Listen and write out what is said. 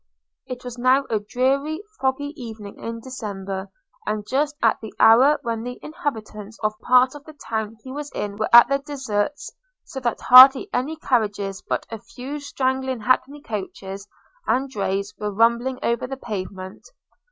It was now a dreary, foggy evening in December, and just at the hour when the inhabitants of the part of the town he was in were at their desserts, so that hardly any carriages but a few straggling hackney coaches and drays were rumbling over the pavement.